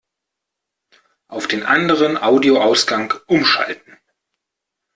Auf den anderen Audioausgang umschalten!